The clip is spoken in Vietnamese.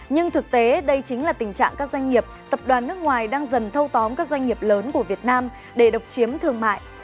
nhưng thực tế đây chính là tình trạng các doanh nghiệp tập đoàn nước ngoài đang dần thâu tóm các doanh nghiệp lớn của việt nam để độc chiếm thương mại